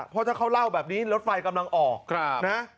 เพราะถ้าเขาเล่าแบบนี้รถไฟกำลังออกนะ